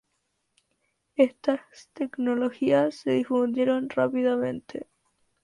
Estas tecnologías se difundieron rápidamente.